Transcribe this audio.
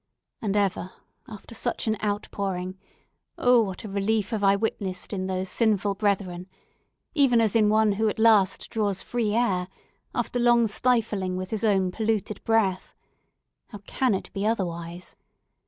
And ever, after such an outpouring, oh, what a relief have I witnessed in those sinful brethren! even as in one who at last draws free air, after a long stifling with his own polluted breath. How can it be otherwise?